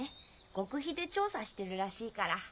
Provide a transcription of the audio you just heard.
極秘で調査してるらしいから。